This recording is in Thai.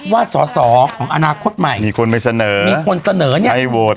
ว่าสอสอของอนาคตใหม่มีคนไปเสนอมีคนเสนอเนี่ยไม่โหวต